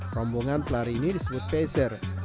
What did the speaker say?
rombongan pelari ini disebut peser